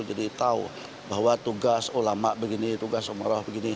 jadi tahu bahwa tugas ulama begini tugas umaroh begini